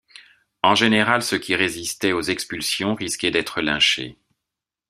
En général ceux qui résistaient aux expulsions risquaient d'être lynchés.